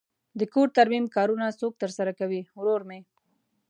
د کور ترمیم کارونه څوک ترسره کوی؟ ورور می